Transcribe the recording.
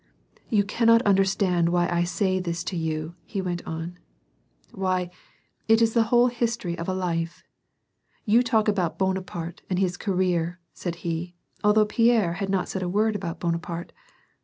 " You cannot understand why I say this to you," he went on. " Why, it is the whole history of a life. You talk about Bonaparte and his career," said he, although Pierre had not said a word about Bonaparte.